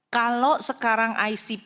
kalau sekarang icp